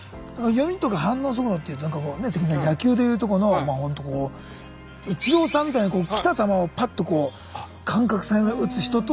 読みとか反応速度っていうとなんかこう関根さん野球でいうとこのほんとこうイチローさんみたいに来た球をパッとこう感覚才能で打つ人と。